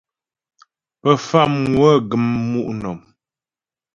Pə Famŋwə gəm mu' nɔ̀m.